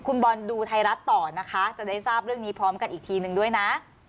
คุณบอลดูไทยรัฐต่อนะคะจะได้ทราบเรื่องนี้พร้อมกันอีกทีนึงด้วยนะ